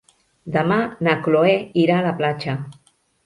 Demà na Chloé irà a la platja.